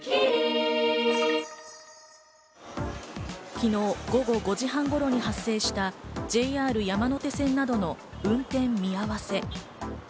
昨日午後５時半頃に発生したＪＲ山手線などの運転見合わせ。